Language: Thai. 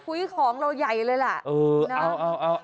ของเราใหญ่เลยล่ะ